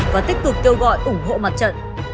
và tiếp tục kêu gọi ủng hộ mặt trận